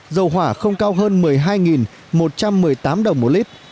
dầu hỏa không cao hơn một mươi hai một trăm một mươi tám đồng một lít